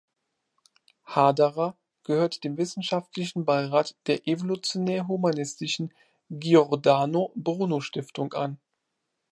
Haderer gehört dem wissenschaftlichen Beirat der evolutionär-humanistischen Giordano-Bruno-Stiftung an.